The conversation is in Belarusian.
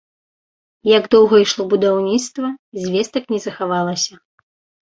Як доўга ішло будаўніцтва, звестак не захавалася.